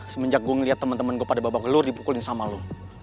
semenjak gue ngeliat temen temen gue pada babak belur dipukulin sama lo